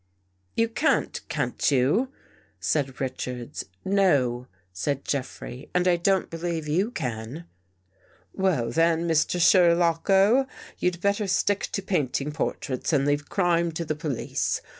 " You can't, can't you," said Richards. " No," said Jeffrey, and I don't believe you can. " Well, then, Mr. Sherlocko, you'd better stick to painting portraits and leave crime to the police.